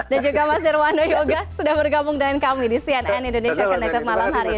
dan juga mas nirwando yoga sudah bergabung dengan kami di cnn indonesia connected malam hari ini